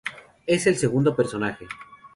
Es el segundo personaje.